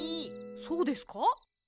そうですか？